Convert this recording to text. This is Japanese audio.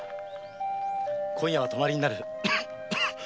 今夜は泊まりになる